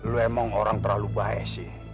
lo emang orang terlalu bahaya sih